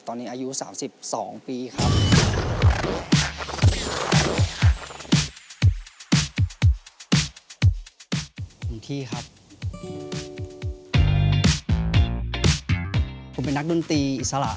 ตอนนี้อายุ๓๒ปีครับ